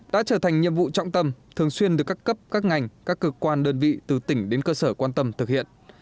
đã trở thành nhiệm vụ trọng tâm thường xuyên được các cấp các ngành các cơ quan đơn vị từ tỉnh đến cơ sở quan tâm thực hiện